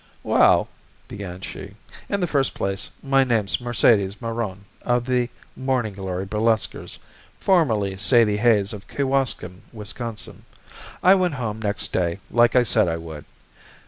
"Well," began she, "in the first place, my name's Mercedes Meron, of the Morning Glory Burlesquers, formerly Sadie Hayes of Kewaskum, Wisconsin. I went home next day, like I said I would.